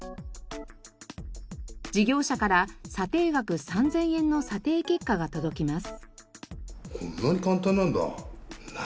事業者から査定額３０００円の査定結果が届きます。